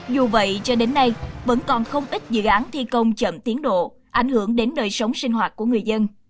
dù vậy cho đến nay vẫn còn không ít dự án thi công chậm tiến độ ảnh hưởng đến đời sống sinh hoạt của người dân